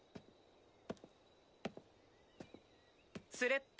・スレッタ。